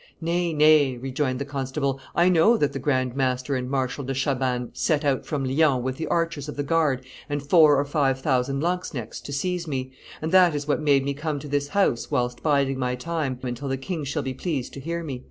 "Nay, nay," rejoined the constable, "I know that the grand master and Marshal de Chabannes set out from Lyons with the archers of the guard and four or five thousand lanzknechts to seize me; and that is what made me come to this house whilst biding my time until the king shall be pleased to hear me."